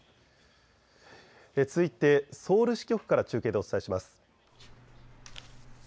続いてソウル支局から中継でお伝えします。